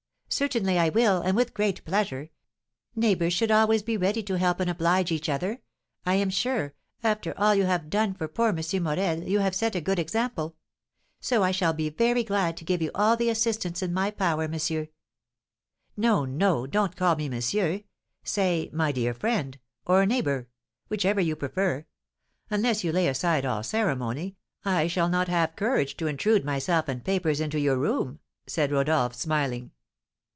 "Certainly I will, and with great pleasure; neighbours should always be ready to help and oblige each other. I am sure, after all you have done for poor M. Morel, you have set a good example; so I shall be very glad to give you all the assistance in my power, monsieur." "No, no, don't call me monsieur! say 'my dear friend,' or 'neighbour,' whichever you prefer; unless you lay aside all ceremony, I shall not have courage to intrude myself and papers into your room," said Rodolph, smiling.